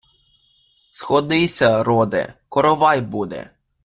Сходися, роде, коровай буде!